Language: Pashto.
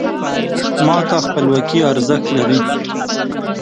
ما ته خپلواکي ارزښت لري .